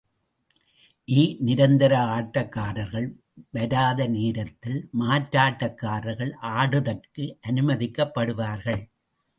இ நிரந்தர ஆட்டக்காரர்கள் வராத நேரத்து, மாற்றாட்டக்காரர்கள் ஆடுதற்கு அனுமதிக்கப் படுவார்கள்.